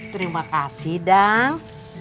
terima kasih dang